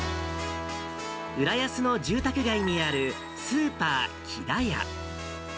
浦安の住宅街にあるスーパー木田屋。